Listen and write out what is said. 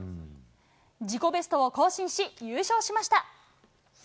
自己ベストを更新し、優勝しました。